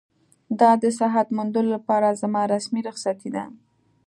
دا د صحت موندلو لپاره زما رسمي رخصتي ده.